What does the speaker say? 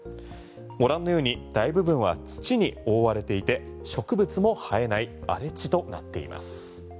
ご覧のように大部分は土に覆われていて植物も生えない荒れ地となっています。